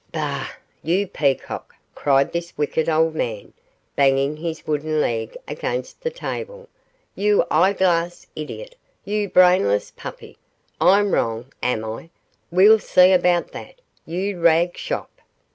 'Bah! you peacock,' cried this wicked old man, banging his wooden leg against the table, 'you eye glass idiot you brainless puppy I'm wrong, am I? we'll see about that, you rag shop.